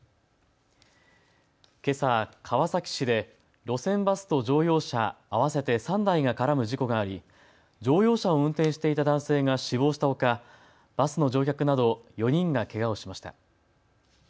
けさ、川崎市で路線バスと乗用車、合わせて３台が絡む事故があり乗用車を運転していた男性が死亡したほかバスの乗客など４人がけがをしました。